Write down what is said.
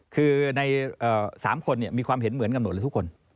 คือใน๓คนมีความเห็นเหมือนกันหมดเลยทุกคน